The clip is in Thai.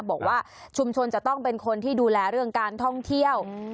บอกว่าชุมชนจะต้องเป็นคนที่ดูแลเรื่องการท่องเที่ยว